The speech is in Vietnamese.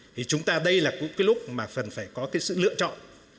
thì chúng ta đây là cái lúc mà phần phải có cái sự lựa chọn